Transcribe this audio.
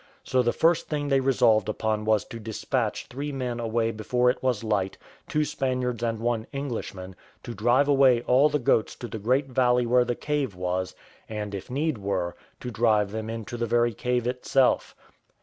So the first thing they resolved upon was to despatch three men away before it was light, two Spaniards and one Englishman, to drive away all the goats to the great valley where the cave was, and, if need were, to drive them into the very cave itself.